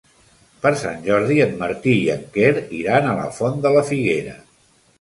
Per Sant Jordi en Martí i en Quer iran a la Font de la Figuera.